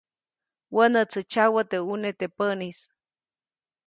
Wänätsu tsyawä teʼ ʼune teʼ päʼnis.